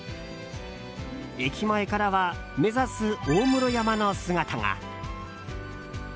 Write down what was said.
駅前からは、目指す大室山の姿が。